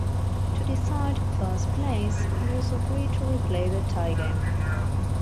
To decide first place, it was agreed to replay the tie game.